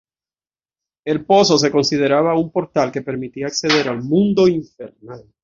El pozo se consideraba un portal que permitía acceder al mundo infernal.